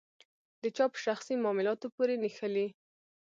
د چا په شخصي معاملاتو پورې نښلي.